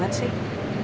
ya enak sekali